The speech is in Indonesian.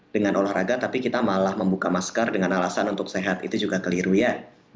dengan olahraga tapi kita malah membuka masker dengan alasan untuk sehat itu juga keliru ya